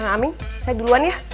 amin saya duluan ya